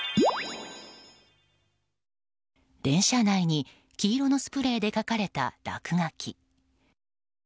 電車内に黄色のスプレーで描かれた落書き。